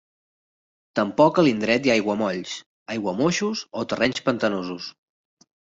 Tampoc a l'indret hi ha aiguamolls, aiguamoixos o terrenys pantanosos.